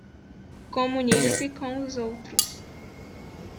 Comunique-se com os outros